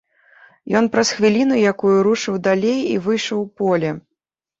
Ён праз хвіліну якую рушыў далей і выйшаў у поле.